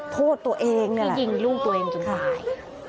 โทษตัวเองนะยิงลูกตัวเองจนตาย